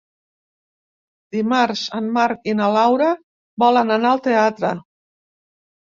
Dimarts en Marc i na Laura volen anar al teatre.